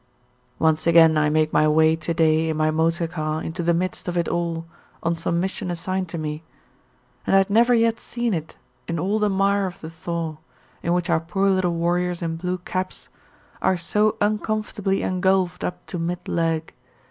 Once again I make my way to day in my motor car into the midst of it all on some mission assigned to me, and I had never yet seen it in all the mire of the thaw, in which our poor little warriors in blue caps are so uncomfortably engulfed up to mid leg.